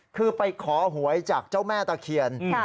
คือไปขอหวยจากเจ้าแม่ตะเคียน